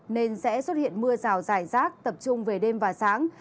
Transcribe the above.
nên sẽ xuất hiện mưa rào dài rác tập trung về đêm và sáng